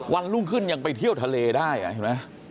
วันรุ่งขึ้นยังไปเที่ยวทะเลได้เห็นไหม